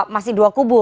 masih dua kubu